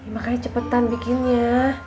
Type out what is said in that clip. makanya cepetan bikinnya